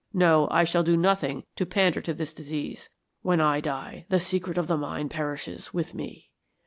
No, I shall do nothing to pander to this disease. When I die the secret of the mine perishes with me.